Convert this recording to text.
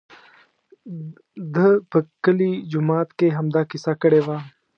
ده په کلي جومات کې همدا کیسه کړې وه.